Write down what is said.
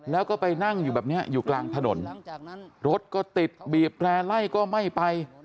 แล้วก็ไปนั่งอยู่แบบเนี้ยอยู่กลางถนนรถก็ติดบีบแร่ไล่ก็ไม่ไป